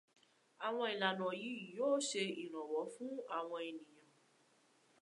Àwọn ìlànà yìí yóó ṣe ìrànwọ́ fún àwọn ènìyàn.